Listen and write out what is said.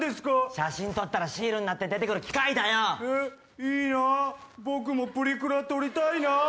写真撮ったらシールになって出てくる機械だよえっいいなあ僕もプリクラ撮りたいなあ